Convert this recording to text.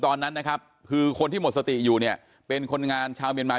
ตอนนั้นนะครับคือคนที่หมดสติอยู่เนี่ยเป็นคนงานชาวเมียนมา